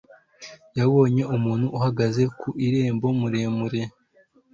yabonye umuntu uhagaze kwi rembo muremure